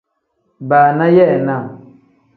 Baana yeenaa.